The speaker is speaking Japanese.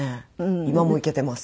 今もイケてます。